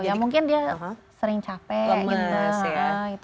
ya mungkin dia sering capek gitu